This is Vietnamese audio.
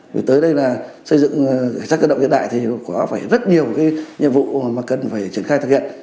vì tới đây là xây dựng cảnh sát cơ động hiện đại thì có phải rất nhiều cái nhiệm vụ mà cần phải triển khai thực hiện